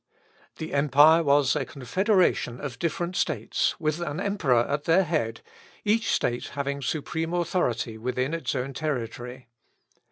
The empire was a confederation of different states, with an emperor at their head, each state having supreme authority within its own territory.